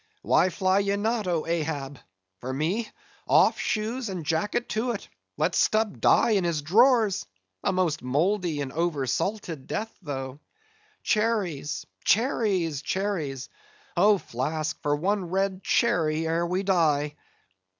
Why fly ye not, O Ahab! For me, off shoes and jacket to it; let Stubb die in his drawers! A most mouldy and over salted death, though;—cherries! cherries! cherries! Oh, Flask, for one red cherry ere we die!"